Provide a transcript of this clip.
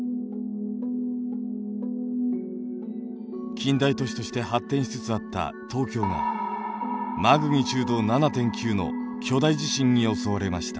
近代都市として発展しつつあった東京がマグニチュード７．９の巨大地震に襲われました。